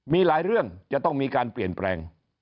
มีหลายเรื่องจะต้องมีการเปลี่ยนแปลง